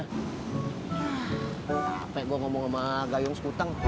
yah capek gue ngomong sama gayung sekuteng